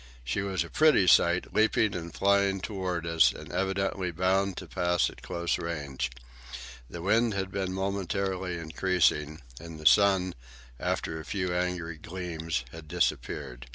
She was a pretty sight, leaping and flying toward us, and evidently bound to pass at close range. The wind had been momentarily increasing, and the sun, after a few angry gleams, had disappeared.